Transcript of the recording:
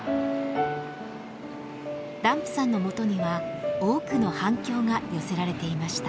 ダンプさんのもとには多くの反響が寄せられていました。